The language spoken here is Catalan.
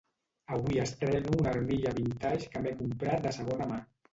Avui estreno una armilla vintage que m'he comprat de segona mà